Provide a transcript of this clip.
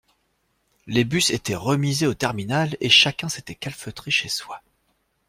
Les bus étaient remisés au terminal, et chacun s’était calfeutré chez soi.